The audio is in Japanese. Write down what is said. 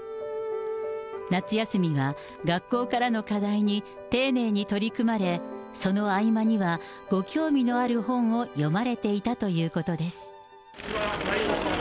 夏休みは学校からの課題に丁寧に取り組まれ、その合間にはご興味のある本を読まれていたということです。